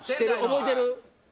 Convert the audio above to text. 覚えてる？